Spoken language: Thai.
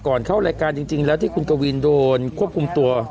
เข้ารายการจริงแล้วที่คุณกวินโดนควบคุมตัว